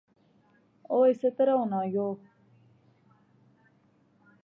او اسے طرح ہونا یو